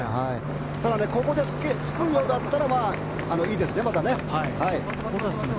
ただ、ここでつけるようだったらまだいいですね。